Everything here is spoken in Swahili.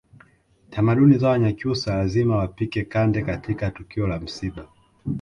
Tamaduni za Wanyakyusa lazima wapike kande katika tukio la msiba